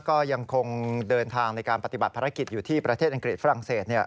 ก็ยังคงเดินทางในการปฏิบัติภารกิจอยู่ที่ประเทศอังกฤษฝรั่งเศส